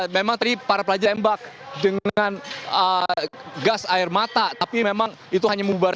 memang tadi parah parahnya